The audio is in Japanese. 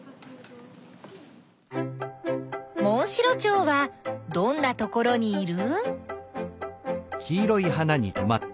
モンシロチョウはどんなところにいる？